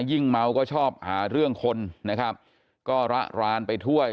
ยิ่งเมาก็ชอบหาเรื่องคนก็ระลานไปทั่วย